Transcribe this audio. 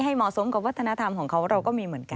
เหมาะสมกับวัฒนธรรมของเขาเราก็มีเหมือนกัน